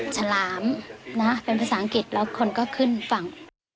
ฉลามนะเป็นภาษาอังกฤษแล้วคนก็ขึ้นฝั่ง